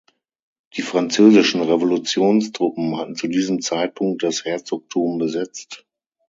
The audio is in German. Die Französischen Revolutionstruppen hatten zu diesem Zeitpunkt das Herzogtum besetzt.